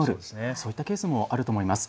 そういったケースもあると思います。